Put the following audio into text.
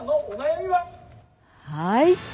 はい。